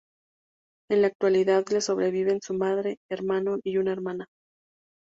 En la actualidad le sobreviven su madre, un hermano y una hermana.